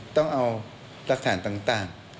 ต้องเอาหลักฐานต่าง